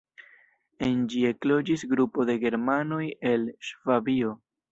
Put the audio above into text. En ĝi ekloĝis grupo de germanoj el Ŝvabio.